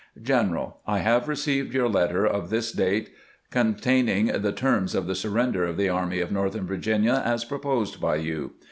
General : I have received your letter of this date containing the terms of the surrender of the Army of Northern Virginia as proposed by you.